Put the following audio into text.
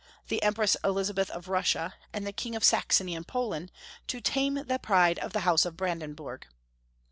the Empress Elizabeth of Russia, and the King of Saxony and Poland, to tame the pride of the House of Brandenburg.